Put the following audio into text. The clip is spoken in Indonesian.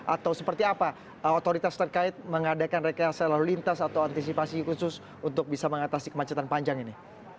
atau seperti apa otoritas terkait mengadakan rekayasa lalu lintas atau antisipasi khusus untuk bisa mengatasi kemacetan panjang ini